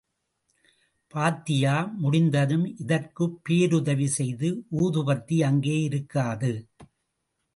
பாத்தியா முடிந்ததும் இதற்குப் பேருதவி செய்த ஊதுபத்தி அங்கே இருக்காது.